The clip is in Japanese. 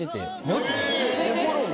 マジで？